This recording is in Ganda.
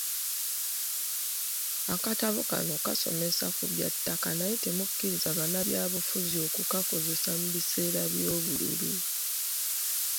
Akatabo kano kasomesa ku bya ttaka naye temukkiriza bannabyabufuzi okukakozesa mu biseera by'obululu.